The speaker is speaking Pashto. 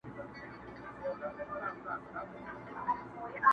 ځان کي مهوه سمه کله چي ځان وینم,